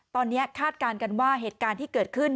ตอนนี้คาดการณ์กันว่าเหตุการณ์ที่เกิดขึ้น